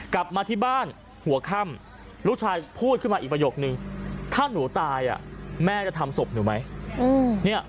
กลับมาที่บ้านหัวค่ำลูกชายพูดขึ้นมาอีกประโยคนึงถ้าหนูตายแม่จะทำศพหนูไหม